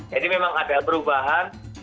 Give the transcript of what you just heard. jadi memang ada perubahan